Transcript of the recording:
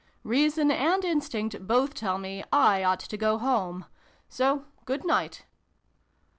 Rea son and Instinct both tell me I ought to go home. So, good night